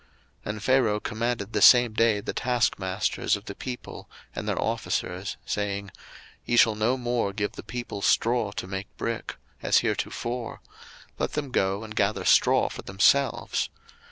02:005:006 And Pharaoh commanded the same day the taskmasters of the people, and their officers, saying, 02:005:007 Ye shall no more give the people straw to make brick, as heretofore: let them go and gather straw for themselves.